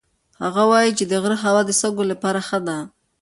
هغه وایي چې د غره هوا د سږو لپاره ښه ده.